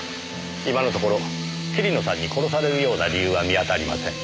今のところ桐野さんに殺されるような理由は見当たりません。